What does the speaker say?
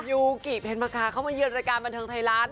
ยูกิเพ็ญมกาเข้ามาเยือนรายการบันเทิงไทยรัฐ